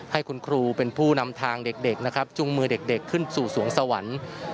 ให้คุณครูเป็นผู้นำทางเด็กนะครับจุงมือเด็กขึ้นสู่สวงสวรรค์